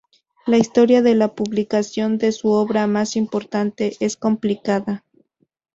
La historia de la publicación de su obra más importante es complicada.